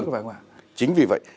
vâng chính vì vậy